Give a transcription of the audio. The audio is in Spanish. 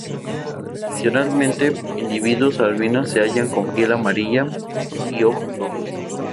Adicionalmente, individuos albinos se hallan con piel amarilla y ojos rojos.